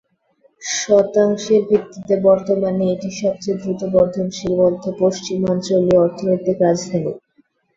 শতাংশের ভিত্তিতে বর্তমানে এটি সবচেয়ে দ্রুত বর্ধনশীল মধ্য-পশ্চিমাঞ্চলীয় অর্থনৈতিক রাজধানী।